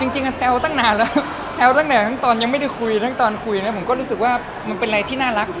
จริงแซวตั้งนานแล้วแซวตั้งแต่ทั้งตอนยังไม่ได้คุยทั้งตอนคุยนะผมก็รู้สึกว่ามันเป็นอะไรที่น่ารัก